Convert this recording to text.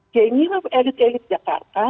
keinginan elit elit jakarta